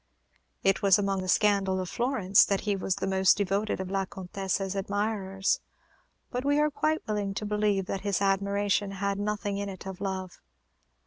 It was amongst the scandal of Florence that he was the most devoted of La Contessa's admirers; but we are quite willing to believe that his admiration had nothing in it of love.